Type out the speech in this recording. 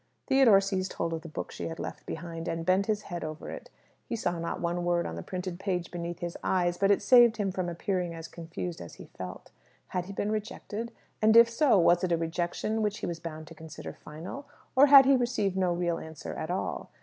Theodore seized hold of the book she had left behind her, and bent his head over it. He saw not one word on the printed page beneath his eyes, but it saved him from appearing as confused as he felt. Had he been rejected? And, if so, was it a rejection which he was bound to consider final? Or had he received no real answer at all?